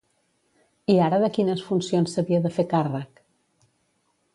I ara de quines funcions s'havia de fer càrrec?